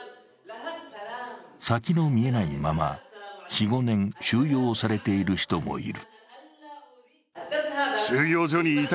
先の見えないまま、４５年収容されている人もいる。